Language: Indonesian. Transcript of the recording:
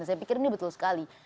saya pikir ini betul sekali